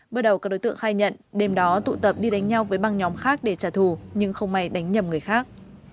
bước đầu các đối tượng khai nhận đêm đó tụ tập đi đánh nhau với băng nhóm khác để trả thù nhưng không may đánh nhầm người khác